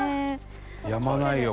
やまないよ